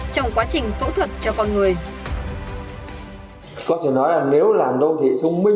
trong quá trình phẫu thuật cho con người